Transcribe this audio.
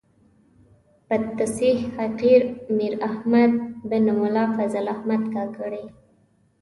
بتصحیح حقیر میر احمد بن ملا فضل احمد کاکړي.